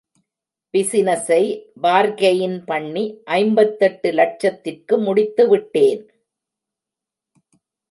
பிசினசை பார்க்கெய்ன் பண்ணி ஐம்பத்தெட்டு லட்சத்திற்கு முடித்து விட்டேன்.